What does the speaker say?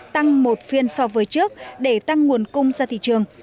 tăng một phiên so với trước để tăng nguồn cung ra thị trường